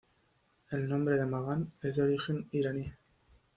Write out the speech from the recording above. El nombre de Magán, es de origen Iraní.